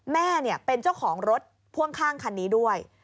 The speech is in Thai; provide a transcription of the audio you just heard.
แม่เป็นเจ้าของรถพ่วงข้างคันนี้ด้วย